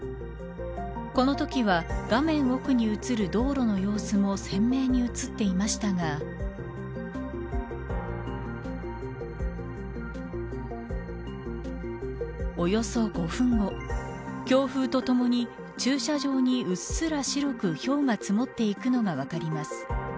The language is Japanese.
このときは画面奥に映る道路の様子も鮮明に映っていましたがおよそ５分後強風とともに駐車場にうっすら白くひょうが積もっていくのが分かります。